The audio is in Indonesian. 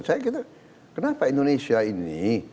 saya kira kenapa indonesia ini